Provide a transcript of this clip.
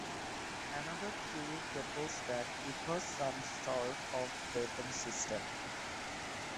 Another theory proposed that it was some sort of weapon system.